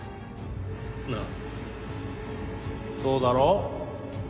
なあそうだろう？